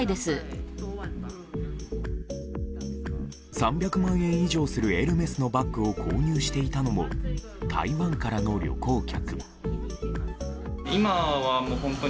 ３００万円以上するエルメスのバッグを購入していたのも台湾からの旅行客。